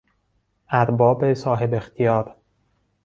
ارباب صاحب اختیار